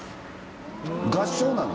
合唱なの？